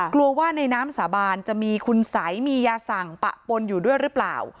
กลัวว่าในน้ำสาบานจะมีคุณสัยมียาสั่งปะปนอยู่ด้วยหรือเปล่า